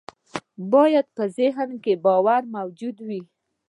بايد په ذهن کې باور موجود وي.